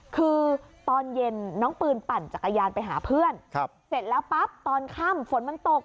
คือตอนเย็นน้องปืนปั่นจักรยานไปหาเพื่อนเสร็จแล้วปั๊บตอนค่ำฝนมันตก